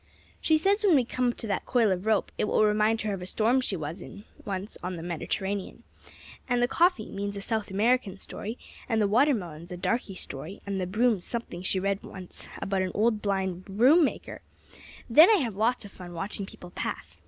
She says when we come to that coil of rope, it will remind her of a storm she was in on the Mediterranean; and the coffee means a South American story; and the watermelons a darkey story; and the brooms something she read once about an old, blind broom maker. Then I have lots of fun watching people pass.